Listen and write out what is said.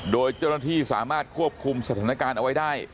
โดยเจ้าหน้าที่สามารถควบคุมสถานการณ์เอาไว้ได้